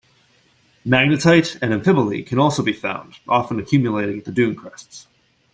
Magnetite and amphibole can also be found, often accumulating at the dune crests.